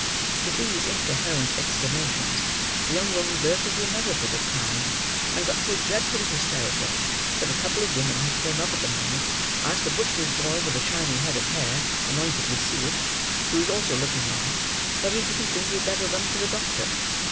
With these incoherent exclamations, the young woman burst into another fit of crying, and got so dreadfully hysterical, that a couple of women who came up at the moment asked a butcher's boy with a shiny head of hair anointed with suet, who was also looking on, whether he didn't think he had better run for the doctor.